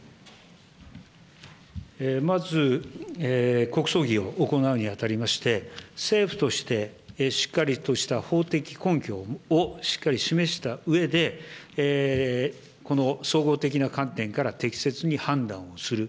まず、国葬儀を行うにあたりまして、政府としてしっかりとした法的根拠をしっかり示したうえで、この総合的な観点から判断をする。